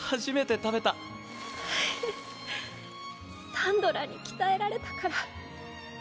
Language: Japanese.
サンドラに鍛えられたから。